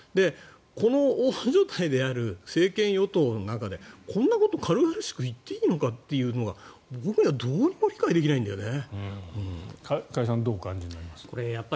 この大所帯である政権与党の中でこんなこと軽々しく言っていいのかというのが僕にはどうにも理解できないんだよね。